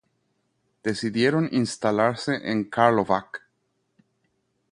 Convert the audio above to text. Decidieron instalarse en Karlovac.